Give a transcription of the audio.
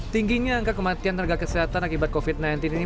tingginya angka kematian tenaga kesehatan akibat covid sembilan belas ini